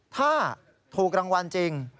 ถ้าถูกรางวัลจริง